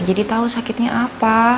jadi tau sakitnya apa